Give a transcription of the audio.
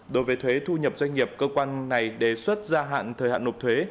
đối với thuế thu nhập doanh nghiệp cơ quan này đề xuất gia hạn thời hạn nộp thuế